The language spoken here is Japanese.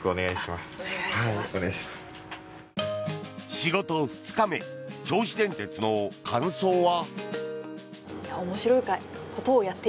仕事２日目銚子電鉄の感想は？